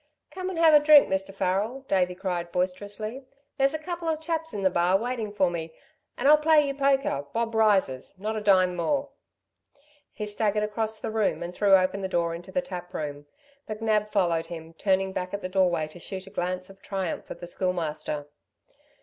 "Come and have a drink, Mr. Farrel," Davey cried boisterously. "There's a couple of chaps in the bar ... waiting for me ... and I'll play you poker, bob rises. Not a dime more." He staggered across the room and threw open the door into the tap room. McNab followed him, turning back at the doorway to shoot a glance of triumph at the Schoolmaster.